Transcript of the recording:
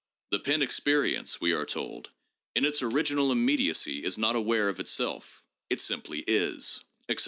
'The pen experience,' we are told, 'in its original immediacy is not aware of itself: it simply is,' 1 etc.